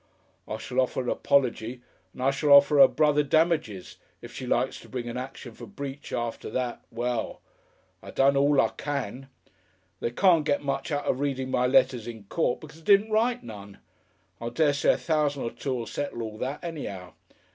"I shall offer an 'pology and I shall offer 'er brother damages. If she likes to bring an action for Breach after that, well I done all I can.... They can't get much out of reading my letters in court, because I didn't write none. I dessay a thousan' or two'll settle all that, anyhow.